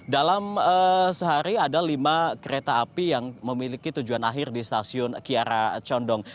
dalam sehari ada lima kereta api yang memiliki tujuan akhir di stasiun kiara condong